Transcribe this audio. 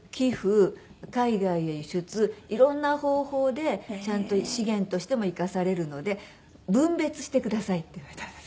海外へ輸出色んな方法でちゃんと資源としても生かされるので「分別してください」って言われたんです。